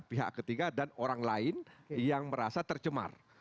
pihak ketiga dan orang lain yang merasa tercemar